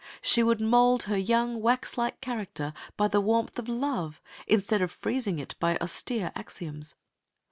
She would mould her young, wax like character by the warmth of love, instead of freezing it by austere axioms.